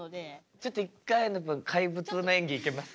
ちょっと一回怪物の演技いけます？